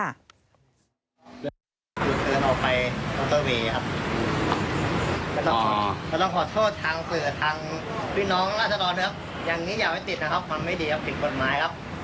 สัญญาณไฟออกไปทางตะวีครับ